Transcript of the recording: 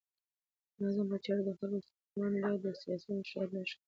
د نظام په چارو کې د خلکو رښتینې ونډه د سیاسي مشروعیت نښه ده.